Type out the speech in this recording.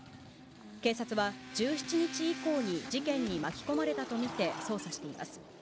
警察は１７日以降に事件に巻き込まれたと見て、捜査しています。